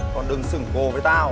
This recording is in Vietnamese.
còn đừng xửng cô với tao